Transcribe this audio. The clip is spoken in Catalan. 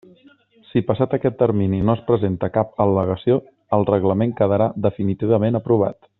Si passat aquest termini no es presenta cap al·legació, el reglament quedarà definitivament aprovat.